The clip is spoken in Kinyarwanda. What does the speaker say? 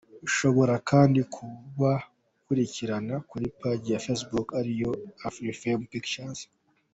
Ushobora kandi kubakurikirana kuri Paji ya Facebook ariyo:Afrifame Pictures.